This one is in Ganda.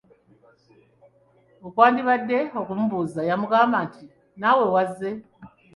Okwandibadde okumubuuza yamugamba nti:"naawe wazze?"